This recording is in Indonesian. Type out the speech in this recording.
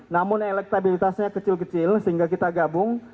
namun elektabilitasnya kecil kecil sehingga kita gabung